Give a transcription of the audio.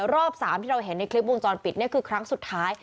รอบ๓ที่เราเห็นในคลิปวงจรปิดนี่คือครั้งสุดท้าย